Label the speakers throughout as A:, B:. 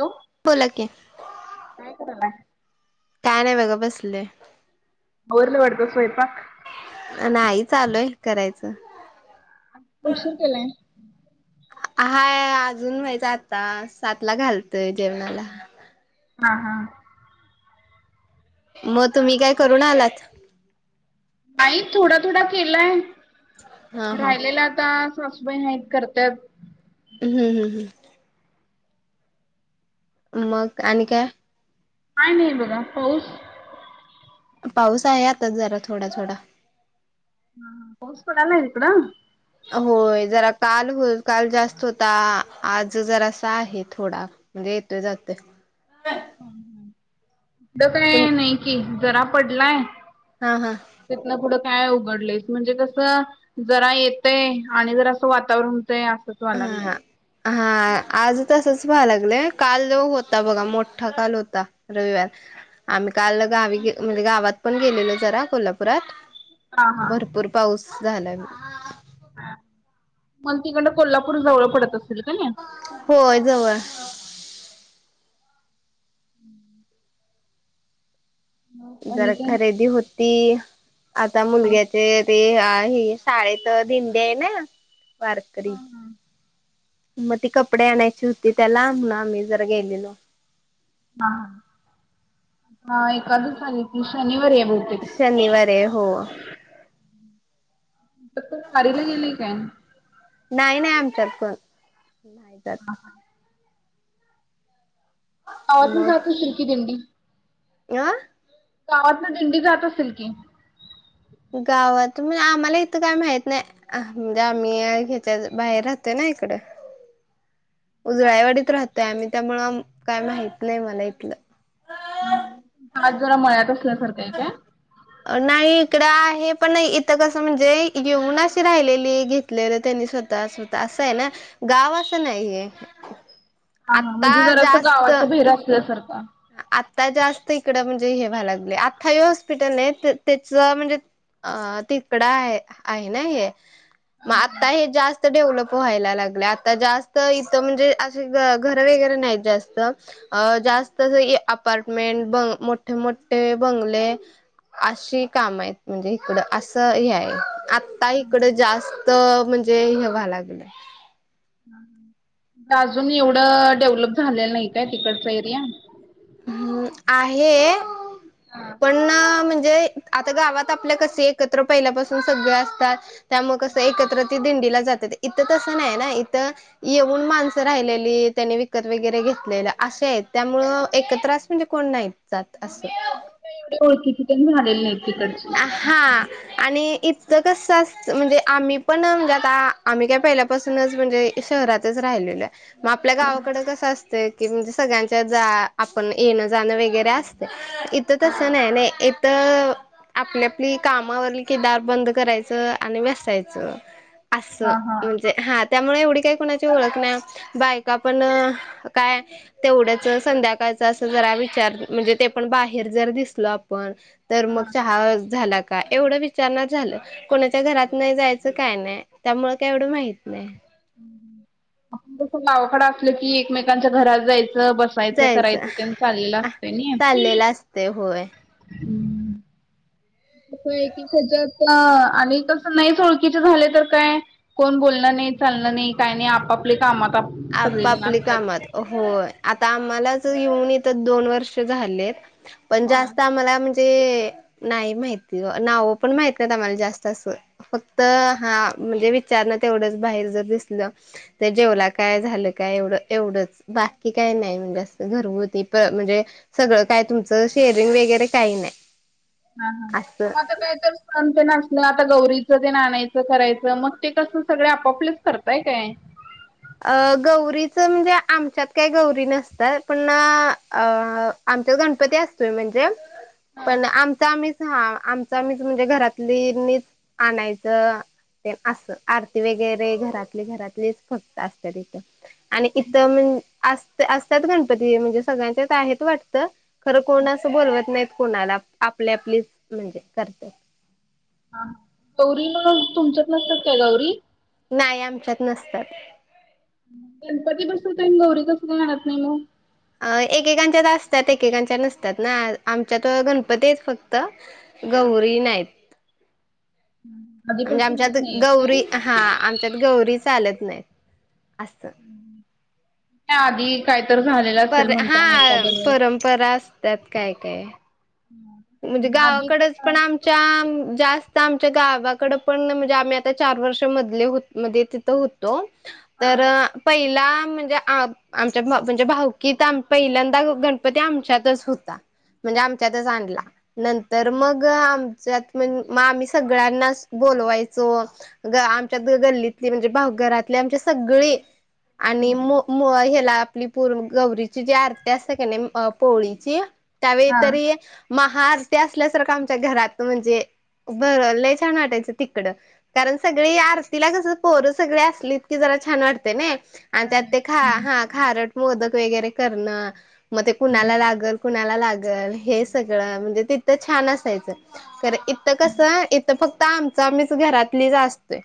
A: Hello
B: बोलाकी
A: काय कराला
B: काय नाही बघा बसले
A: आवरलं वाटत स्वयंपाक
B: नाही चालूय करायचं
A: उशू केलाय
B: हाय अजून व्हायचं आता सातला घालतोय जेवणाला
A: हा हा
B: मग तुम्ही काय करून आलात
A: आई थोडा थोडा केलाय
B: हा हा
A: राहिलेला आता सासूबाई आहेत करत्यात
B: ह हम हम ह मग आणि काय
A: काय नाही बघा पाऊस
B: पाऊस आहे आता जरा थोडा थोडा
A: हा पाऊस पडलाय इकड
B: होय जरा काल हो काल जास्त होता आज जरासा आहे थोडा. [unintelligible] म्हणजे येतोय जातं [unintelligible]
A: तसं
B: तुम
A: काय नाही कि जरा पडलाय [unintelligible]
B: हा हा. [unintelligible]
A: तिथन पुढं काय उघडलय म्हणजे जसं जरा येतंय आणि जर असं वातावरण होतंय असंच व्हायला लागलं ये.
B: हा. हा आज तसंच व्हायला लागलं काल होता बघा मोठा काल होता. [unintelligible] रविवार आम्ही काल गावी म्हणजे गावात पण गेलेलो जरा कोल्हापुरात
A: हा
B: [unintelligible]
A: हा.
B: भरपूर पाऊस झालाय.
A: [unintelligible] मला तिकडन कोल्हापूर जवळ पडत असेल का नाही.
B: होय जवळ [unintelligible]
A: [unintelligible] [unintelligible] आणि
B: जरा
A: काय?
B: खरेदी होती आता मुलग्या ते ते आ हे शाळेच दिंडी आहे ना वारकरी
A: हा हा.
B: [unintelligible] मग ती कपडे आणायची होती त्याला मंग आम्ही जरा गेलेलो.
A: हा हा हा एक सारी त शनिवार्या बहुतेक.
B: शनिवार ये हो. [unintelligible]
A: तर वारीला गेली काय [unintelligible]
B: नाही नाही आमच्यात पण नाही जात.
A: गावांतन जात असल की पेंडी दिंडी. [unintelligible]
B: आ. [unintelligible]
A: गावातन दिंडी जात असेल की. [unintelligible]
B: गावात म आम्हाला इथं काय माहित नाही अ म्हणजे आम्ही ह्याच्या बाहेर राहतोय ना इकडं. उजळाईवाडीत राहतोय आम्ही, त्यामुळं, काय माहितलंय मला इथलं.
A: आत जरा मळ्यात असल्यासारखा हाय काय?
B: नाही इकडं आहे पण इथं कसं म्हणजे येऊन अशी राहिलेली [unintelligible] घलेलं त्यांनी स्वतः स्वतः असं ये ना गाव असं नाहीये.
A: हा हा
B: आता
A: म्हणजे जरं अस
B: जास्त
A: गावाच्या बाहेर असल्यासारखं.
B: आता जास्त इकडं म्हणजे हे व्हायला लागले आता हे हॉस्पिटल ये आहे त्याच म्हणजे [unintelligible] अ ऽ तिकडं आहे,, आहे ना हे,, मग आता हे जास्तऽ [unintelligible] डेव्हलप व्हायला लागलय,, आता जास्त, इथ म्हणजे असे घर वगैरे नाहीत जास्त. [unintelligible] अ जास्त अपार्टमेंट, बंग मोठे मोठे बंगले,, [unintelligible] अशी काम आहेत, म्हणजे,, इकडं असं हे हाय. आता इकड जास्त ऽम्हणजे हे वाय लागलंय.
A: अजून एवढं डेव्हलप झालेलं नाही काय तिकडचा एरिया? [unintelligible]
B: हम् आहे,, पण म्हणजेऽ आता गावात आपल्या कसं एकत्र पहिल्यापासून सगळे असतात,,, त्यामुळ कसं एकत्र ती दिंडीला जातात,, इथं तसं नाही ना,, इथऽ येऊन माणसं राहिलेली,, त्यांनी विकत वगैरे घेतलेलं,, असे आहेत त्यामुळंऽ [unintelligible] एकत्र आस म्हणजे कोण नाही जा [unintelligible] त,, असंऽ
A: ओळखिची तन झालेली नाही. [unintelligible]
B: हा,, आणिऽ इतकं कसं असतं, म्हणजे, आम्ही पण म्हणजे, आता आम्ही काय पहिल्यापासूनच, म्हणजेऽ [unintelligible] शहरातच राहिलेले आहे,, मग आपल्या गावाकडे कसं असतयऽ की म्हणजे सगळ्यांच्या जा,, आपण येणं जाणं वगैरे असतय,, इथं तसं नाही नाही. [unintelligible] तरऽ [unintelligible] आपली, आपली काम आवरली की दार बंद करायचं आणि बसायचं. असं,
A: हा हा.
B: म्हणजे हा त्यामुळे एवढी काही कोणाची ओळख नाही, बाईका पण काय तेवढंच संध्याकाळच असं जरा विचारतेत, म्हणजे ते पण बाहेर जर दिसल आपण तर
A: हा.
B: मग, चहा झाला का एवढं विचारणार झालं. कोणाच्या घरात नाही जायचं, काय नाही त्यामुळ काय एवढं माहित नाही.
A: आपण गावाकडं असल की, एकमेकांच्या घरात जायचं बस सायच, करायचं, तेन चाललेलं असतंय नाई.
B: चाललेल अस तय, होय.
A: हम्म. होय की [unintelligible] आणि तसं नाहीच ओळखकीचे झाले तर काय कोण बोलणं नाही, चालण नाही, काही नाही, आपापले कामात आप सगळेजण
B: आपापली
A: असतात.
B: कामात हो होय. आता आम्हालाच येऊन इथ दोन वर्ष झालेत, पण
A: हा.
B: जास्त आम्हाला ते नाही माहिती, नाव पण माहित नाही आम्हाला जास्त असं फक्त हा, म्हणजे विचारण तेवढंच बाहेर जर दिसलं तर जेवलात काय झालं काय, एवढं एवढंच, बाकी काय नाही म्हणजे असं घरगुती प म्हणजे सगळं काय तुमचं शेअरिंग वगैरे काही नाही.
A: हा, हा,
B: असं.
A: मग आता का तर काम तेन आसलं, आता गौरीचं ते आनायचं, करायचं, मग ते कस सगळे आपापलेच करताय काय?
B: अह गौरीच म्हणजे, आमच्यात काही गौरी नसतात, पण अह आमच्यात गणपती असतोय म्हणजे.
A: हा.
B: पण आमचा आम्हीच हा आमच आम्ही च म्हणजे घरातलीनीच आणायचं. ते असं, आरती वगैरे घरातले घरातलेच फक्त असत तिथं, आणि इथं म्हण अस असत्यात गणपती म्हणजे, सगळ्यांच्यात आहेत वाटतं खरं कोण असं बोलवत नाहीत कोणाला आपली आपलीच म्हणजे करते.
A: हा गौरी मग तुमच्यात नसतात काय गौरी?
B: नाही आमच्यात नसतात.
A: गणपती बसवताय आणि गौरी कसं काय आणत नाही मग?
B: अह एकेकांच्यात असतात एकेकांच्या नसतात ना, आमच्यात गणपतीच फक्त गौरी नाहीत.
A: हम्म.
B: म्हणजे आमच्यात गौरी हा आमच्यात गौरी चालत नाहीत असत
A: नाही आधी काही तर झालेलं असेल
B: पर हा
A: म्हणता ना एखाद्या
B: परंपरा असतात
A: वेळेस
B: काय काय.
A: [unintelligible]
B: म्हणजे
A: आधीच
B: गावाकडच पण आम च्या जास्त आमच्या गावाकड पण म्हणजे आम्ही आता चार वर्ष मधले होत मधेच ती थ होतो
A: हा.
B: तर पहिला म्हणजे आ आमच्यात म्हणजे भावकीत पहिल्यांदा गणपती आमच्यातच होता. म्हणजे आमच्यातच आणला. नंतर मग आमच्या मंग मग आम्ही सगळ्यांनाच बोलवायचो. ग आमच्या गल्लीतली म्हणजे घरातले आमचे सगळी आणि मो मो ह्याला नि पूर गौरीची जी आरती असत की नाही पोळीची त्यावेळी
A: हा.
B: तरी महाआरती असल्यासारखं आमच्या घरात म्हणजे भर लय छान वाटायचं तिकडं कारण सगळी आरतीला कसं पोर सगळी असलीत की जरा छान वाटते नाय आणि त्यात ते खा खारट मोदक वगैरे करणं, मग ते कुणाला लागल कुणाला लागल हे सगळं म्हणजे, तिथं छान असायचं. इथं कसं इथं फक्त आमचं आम्हीच घरातलीच असतोय.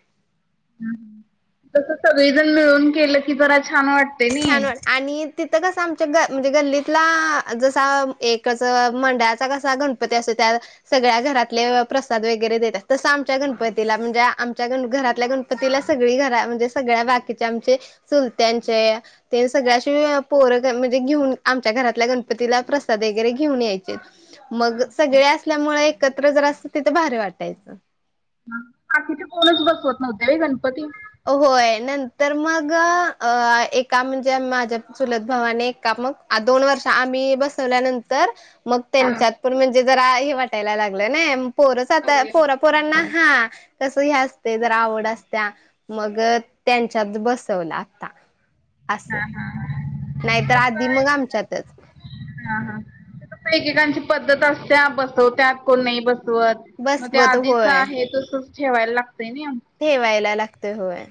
A: तस सगळीजण मिळून केलं की जरा छान वाट
B: छान वाट आणि तिथं कसं आमच्या ग म्हणजे गल्लीतला जसा एकच मंडळाचा कसा गण पती अस त्या सगळ्या घरातले प्रसाद वगैरे देतात तसं आमच्या गणपतीला म्हणजे आमच्या ग घरातल्या गण पतीला सगळी घरा म्हणजे सगळ्या बाकीचे आमचे चुलत्यांचे. ते सगळ्याशी पोर म्हणजे घेऊन आमच्या घरातल्या गणपतीला प्रसाद वगैरे घेऊन याय मग सगळे असल्यामुळ एकत्र जरा असत तिथं भारी वाटायचं.
A: म्हणजे कोणीच बसवत नव्हते होय गणपती.
B: होय नंतर मग अ एका म्हणजे माझ्या चुलत भावाने एका मग आ दोन वर्ष आम्ही बसवल्यानंतर मग
A: हा
B: त्यांच्यात म्हणजे जरा हे वाटायला लागलं ना. पोर साता
A: करूया
B: पोरा पोरांना हा कसं हे असते जरा आवड असत्या. मग त्यांच्यात बसवला आता, असं.
A: हा हा
B: नाहीतर आधी
A: कसय
B: मग आमच्यातच.
A: हा हा, [unintelligible] एकेकांची पद्धत असत्या बसवत्यात कोण नाही बसवत. मग ते
B: बसवत
A: आधीच
B: होय
A: आहे तसच ठेवायला लागतंय नी.
B: ठेवायला लागतय होय.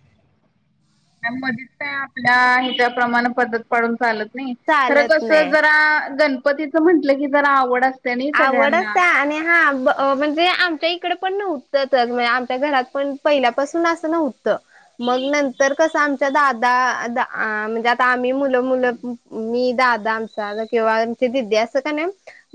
A: मधीच काय आपल्या हिजा प्रमाण पद्धत पाडून चालत नाही. खर
B: चालत
A: कस
B: नाही
A: जरा गणपतीच म्हंटलं की जरा आवड अस
B: आवड असत्या आणि हा ब म्हणजे, आमच्या इकडे पण नव्हतं [unintelligible] आमच्या घरात पण पहिल्यापासून असं नव्ह त मग नंतर कस आम दादा आ म्हणजे आता आम्ही मुलं मुलं मी दादा आमचा किंवा ती दीदी असत्या का नाही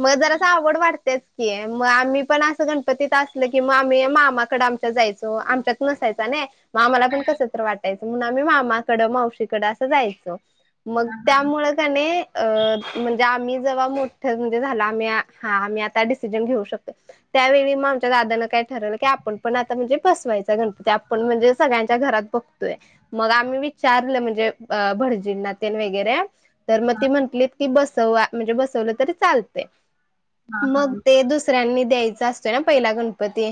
B: मग जरा सा आवड वाटत्याच की मग आम्ही पण असं गणपतीत असल की मग आम्ही मामाकड आमच्या जायचो आमच्या नसायचा नाही आम्हाला
A: हा.
B: पण कस तर वाटायचं म्हणून आम्ही मामाकड मावशीकड असं जायचो. मग
A: हा हा
B: त्यामुळं कणी अ म्हणजे आम्ही जव्हा मोठं म्हणजे झाला आम्ही आ हा आम्ही आता डिसिजन घेऊ शकतोय. त्यावेळी मग आमच्या दादान काय ठरवलं की आपण पण आता म्हणजे बसवायचा गणपती आपण म्हणजे सगळ्यांच्या घरात बघतोय मग आम्ही विचारलं म्हणजे अ भडजीनातेन वगैरे. तर मग ती म्हटलीत की बसवा म्हणजे बसवलं तरी चालतयं.
A: हा
B: मग
A: हा.
B: ते दुसऱ्यांनी द्यायचा असतोय ना पहिला गणपती.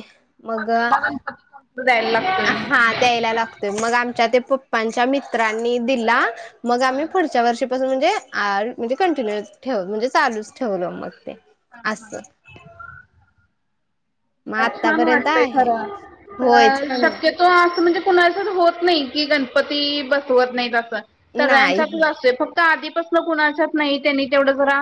A: हो
B: मगं
A: पहिला गणपती कंकूर द्यायला लागतोय.
B: आहा द्यायला लाग मगं आमच्या ते पप्पांच्या मित्रांनी दिला. मग आम्ही
A: हा.
B: पुढच्या वर्षीपासून म्हणजे आ म्हणजे कंटिन्यूस ठेव म्हणजे चालूच ठेवलो मग ते.
A: हा
B: असं
A: हा.
B: मग
A: छान
B: आतापर्यंत
A: वाटतयं
B: आहे
A: खरं
B: होय
A: अ
B: छान
A: शक्य तो असं म्हणजे कुणाचात होत नाही, की गणपती बसवत नाही असं.
B: नाही
A: सगळ्यांच्यातच
B: हो
A: असतोय फक्त आधीपासनं कुणाच्यात नाही त्यांनी तेवढं जरा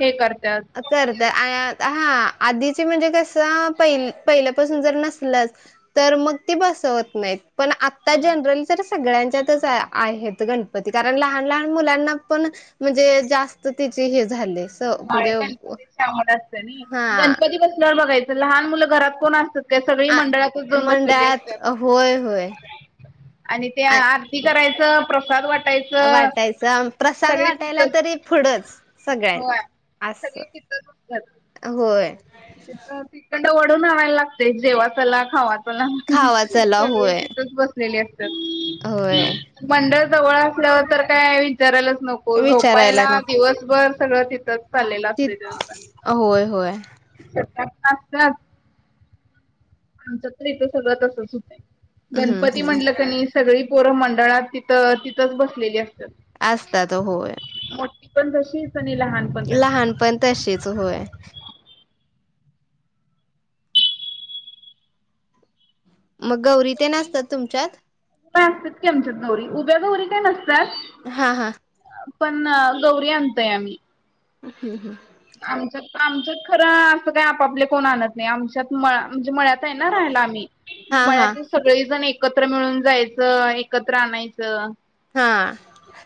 A: हे करत्यात.
B: करतयं [unintelligible] आहा आधीचे म्हणजे कसं पहि पहिल्यापासून जर नसलंच तर मग ती बसवत नाहीत, पण आता जनरल जर सगळ्यांच्यातच आ आहेत गणपती कारण लहान लहान मुलांना पण म्हणजे जास्त तिची हे झाले स म्हणजे हा
A: गणपती बसल्यावर बघायचं लहान मुलं घरात कोण असत्या त्या सगळी
B: आ
A: मंडळातच जाऊन बसलेली
B: मंडळात
A: असत्यात.
B: होय होय.
A: आणि त्या आरती करायचं प्रसाद वाट
B: वाटायचा प्रसाद वाटायला
A: तिथंच
B: तरी पुढंच. सगळ्या
A: होय
B: आहेत असं.
A: सगळी तिथंच असतात.
B: होय.
A: तिथं तिकडंन वडून आणायला लागतयं जेवा चला खावा चला.
B: खावा चला
A: सगळी
B: होय
A: तिथंच बस लेली
B: होय.
A: असत्यात. मंडळ जवळ असल्यावर तर काय विचारायलाच नको. हो
B: विचारायला
A: झोपायला,
B: नको
A: दिवसभर सगळं तिथंच चाललेलं
B: ति
A: असतयं त्याचं.
B: होय होय.
A: [unintelligible] आसत्यात. आमचं तर इथं सगळं तसंच हुतयं.
B: हम्म
A: गणपती
B: हम्म.
A: म्हटलं कणी सगळी पोरं मंडळात तिथं तिथंच बसलेली असत्यात.
B: आसतात होय.
A: मोठी पण तशीच आणि लहान पण तशी
B: लहान पण तशीच. होय. मग गौरी तेन आसत्यात तुमच्यात?
A: मग असतात की आमच्यात गौरी. उभ्या गौरी काय नसत्यात.
B: हा हा.
A: पण गौरी आणतोय आम्ही.
B: हं हं.
A: आमच्यात आमच्यात खरं असं काही आपापले कोण आणत नाही. आमच्यात म म्हणजे मळ्यात आहे ना राहायला आम्ही.
B: हा हा.
A: मळ्यातली सगळी जण एकत्र मिळून जायचं आणि एकत्र आणायचं.
B: हा.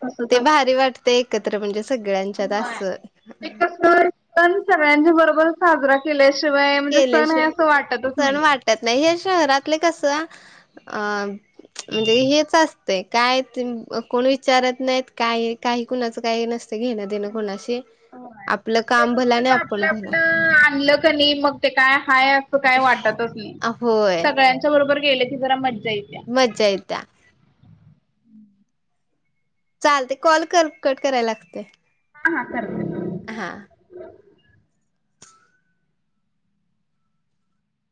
A: तसच
B: ते
A: असतंय
B: भारी वाटतयं एकत्र, म्हणजे सगळ्यांच्यात
A: होय
B: असं.
A: ते कसं एकदम सगळ्यांच्या बरोबरच साजरा केल्याशिवाय म्हणजे सण आहे असं वाटतच नाही.
B: त्यात नाही, हे शहरातले कसं? अं म्हणजे हेच असतयं. काय कोण विचारत नाही. काय एक काही कुणाचं काय नसतयं घेणं. देणं कोणाशी
A: होय.
B: आपलं
A: ते
B: काम भला आणि
A: नुसतच आपलं
B: आपण भला
A: आपलं आणलं कणी मग ते काय हाय असं काय वाटतच नाही.
B: होय
A: सगळ्यांच्या बरोबर गेले की जरा मज्जा येते.
B: मज्जा येत्या. चाल ते कॉल कर कट करायला लागते.
A: हां हा करते.
B: हा.